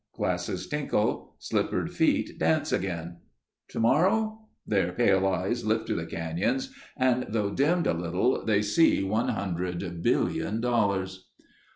Glasses tinkle, slippered feet dance again. Tomorrow? Their pale eyes lift to the canyons and though dimmed a little, they see one hundred billion dollars.